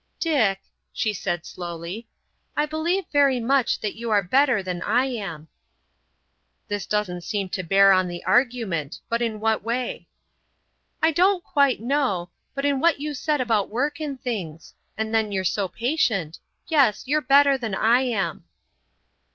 "Dick," she said slowly, "I believe very much that you are better than I am." "This doesn't seem to bear on the argument—but in what way?" "I don't quite know, but in what you said about work and things; and then you're so patient. Yes, you're better than I am."